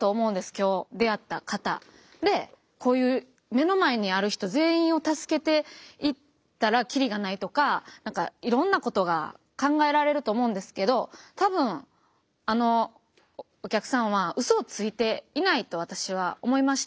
今日出会った方でこういう目の前にある人全員を助けていったらキリがないとかいろんなことが考えられると思うんですけど多分あのお客さんはウソをついていないと私は思いました。